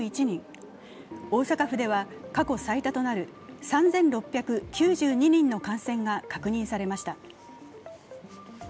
大阪府では、過去最多となる３６９２人の感染が確認されました。